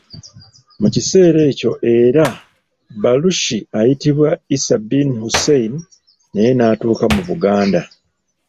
Mu kiseera ekyo era, Balushi, ayitibwa Isa bin Hussein, naye n'atuuka mu Buganda.